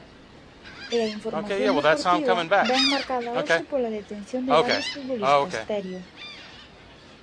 E a información deportiva vén marcada hoxe pola detención de varios futbolistas, Terio.